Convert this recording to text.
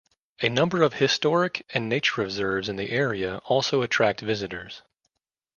A number of historic and nature reserves in the area also attract visitors.